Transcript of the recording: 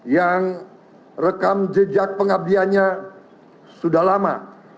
yang rekam jejak pengabdiannya sudah lama